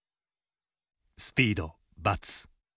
「スピード×」。